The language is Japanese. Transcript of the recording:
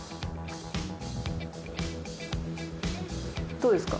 どうですか？